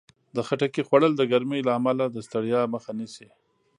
د خټکي خوړل د ګرمۍ له امله د ستړیا مخه نیسي.